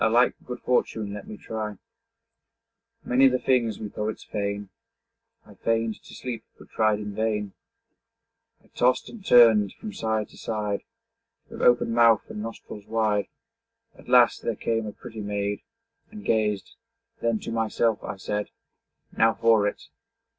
'A like good fortune let me try.' Many the things we poets feign. I feign'd to sleep, but tried in vain. I tost and turn'd from side to side, With open mouth and nostrils wide. At last there came a pretty maid, And gazed; then to myself I said, 'Now for it!'